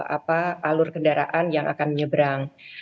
apa alur kendaraan yang akan menyeberang